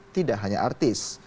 tidak hanya artis